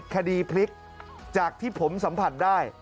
คดีพลิกจากที่ผมสัมผัสได้